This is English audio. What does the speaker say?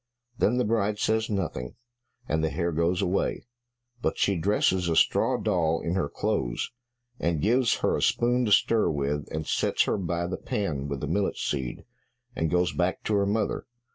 Then the bride says nothing, and the hare goes away, but she dresses a straw doll in her clothes, and gives her a spoon to stir with, and sets her by the pan with the millet seed, and goes back to her mother.